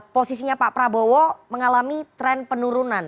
posisinya pak prabowo mengalami tren penurunan